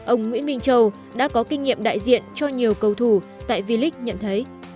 ông nguyễn minh châu đã có kinh nghiệm đại diện cho nhiều cầu thủ tại v liq nhận thấy